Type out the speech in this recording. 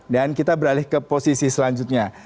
dan kita beralih ke posisi selanjutnya